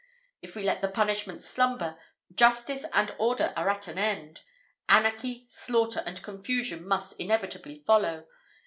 If we let the punishment slumber, justice and order are at an end; anarchy, slaughter, and confusion, must inevitably follow.